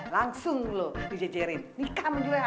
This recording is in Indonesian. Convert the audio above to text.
langsung lo dijajarin nikah sama juleka